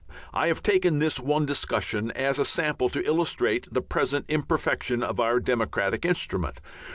I have taken this one discussion as a sample to illustrate the present imperfection of our democratic instrument.